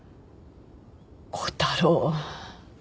小太郎は。